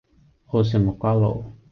澳雪木瓜露